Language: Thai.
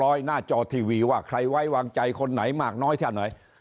สับเรียบร้อยหน้าจอทีวีว่าใครไว้วางใจคนไหนมากน้อยที่อันไหน